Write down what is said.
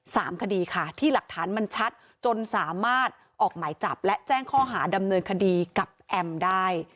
สามคดีค่ะที่หลักฐานมันชัดจนสามารถออกหมายจับและแจ้งข้อหาดำเนินคดีกับแอมได้